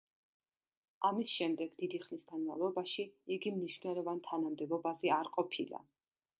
ამის შემდეგ დიდი ხნის განმავლობაში იგი მნიშვნელოვან თანამდებობაზე არ ყოფილა.